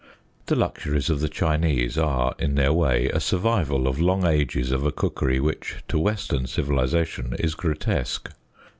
The luxuries of the Chinese are, in their way, a survival of long ages of a cookery which to western civilization is grotesque.